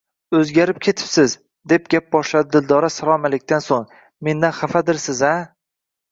Oʻzgarib ketibsiz, – deb gap boshladi Dildora salom-alikdan soʻng. – Mendan xafadirsiz-a?